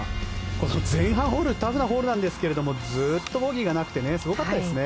この前半ホールタフなホールなんですがずっとボギーがなくてすごかったですね。